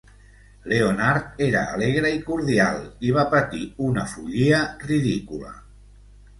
Leonard era alegre i cordial, i va patir una follia ridícula.